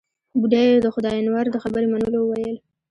بوډۍ د خداينور د خبرې منلو وويل.